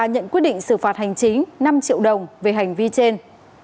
nhận quyết định xử phạt hành chính năm triệu đồng về hành vi trên